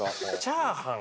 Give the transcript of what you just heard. チャーハン。